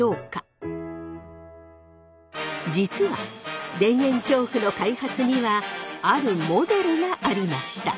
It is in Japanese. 実は田園調布の開発にはあるモデルがありました。